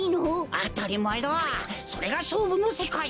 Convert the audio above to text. あたりまえだそれがしょうぶのせかい！